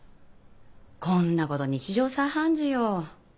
こんなこと日常茶飯事よ。